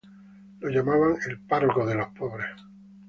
Lo llamaban el párroco de los pobres.